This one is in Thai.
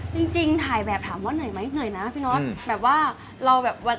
จริงจริงถ่ายแบบถามว่าเหนื่อยไหมเหนื่อยนะพี่น็อตแบบว่าเราแบบวัน